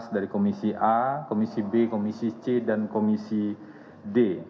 dari komisi a komisi b komisi c dan komisi d